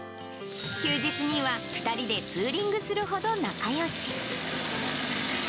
休日には２人でツーリングするほど仲よし。